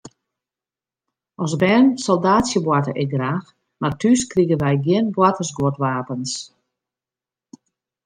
As bern soldaatsjeboarte ik graach, mar thús krigen wy gjin boartersguodwapens.